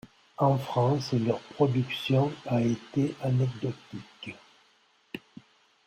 En France, leur production a été anecdotique.